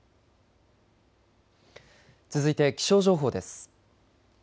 続いて気象情報です。